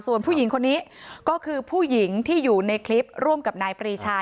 ส่วนผู้หญิงคนนี้ก็คือผู้หญิงที่อยู่ในคลิปร่วมกับนายปรีชา